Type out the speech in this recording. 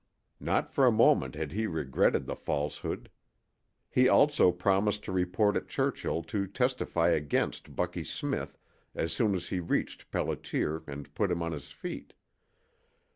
Not for a moment had he regretted the falsehood. He also promised to report at Churchill to testify against Bucky Smith as soon as he reached Pelliter and put him on his feet.